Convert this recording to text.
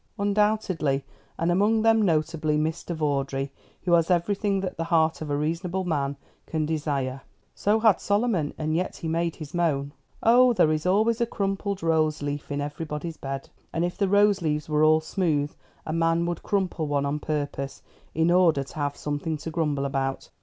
"Undoubtedly, and among them notably Mr. Vawdrey, who has everything that the heart of a reasonable man can desire." "So had Solomon, and yet he made his moan." "Oh, there is always a crumpled rose leaf in everybody's bed. And if the rose leaves were all smooth, a man would crumple one on purpose, in order to have something to grumble about.